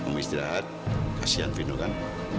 mau istirahat kasian filno kan